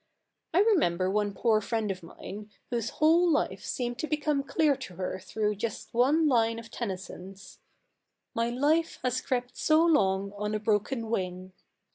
I remember one poor friend of mine, whose whole life seemed to become clear to her through just one line of Tennyson's — My life has crept so long on a broken wing.